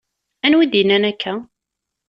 Anwa i d-yennan akka?